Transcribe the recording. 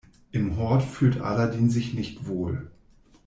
Im Hort fühlt Aladin sich nicht wohl.